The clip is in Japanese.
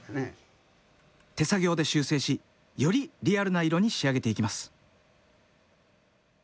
手作業で修正しよりリアルな色に仕上げていきます。